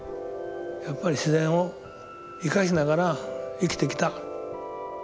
やっぱり自然を生かしながら生きてきた。